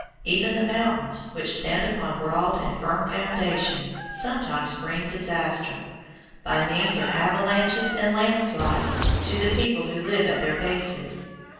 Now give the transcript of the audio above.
Even the mountains, which stand upon broad and firm foundations, sometimes bring disaster, by means of avalanches and land slides, to the people who live at their bases.